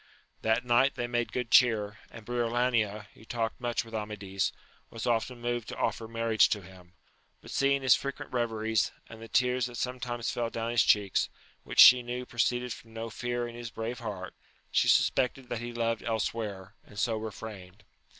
That night they made good cheer, and Briolania, who talked much with Amadis, was oftentimes moved to offer marriage to him, but seeing his frequent reveries, and the tears that sometimes fell down his cheeks, which she knew proceeded from no fear in his brave heart, she suspected that he loved elsewhere, and so refrained.